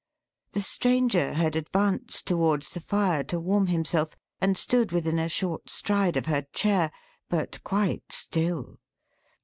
The Stranger had advanced towards the fire, to warm himself, and stood within a short stride of her chair. But quite still.